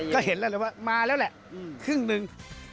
ก็เห็นแล้วเลยว่ามาแล้วแหละครึ่งหนึ่ง